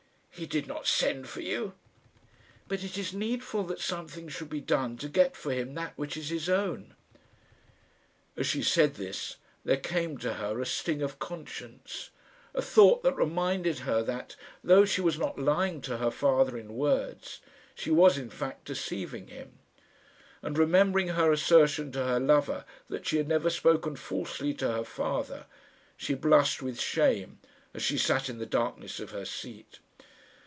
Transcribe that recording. He did not send for you." "But it is needful that something should be done to get for him that which is his own." As she said this there came to her a sting of conscience, a thought that reminded her that, though she was not lying to her father in words, she was in fact deceiving him; and remembering her assertion to her lover that she had never spoken falsely to her father, she blushed with shame as she sat in the darkness of her seat.